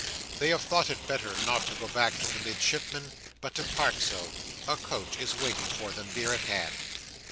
They have thought it better not to go back to the Midshipman, but to part so; a coach is waiting for them, near at hand.